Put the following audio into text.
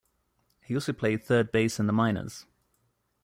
He also played third base in the minors.